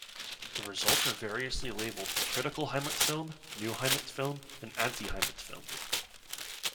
The results are variously labelled "critical "Heimatfilme", "new "Heimatfilme", and "anti-"Heimatfilme".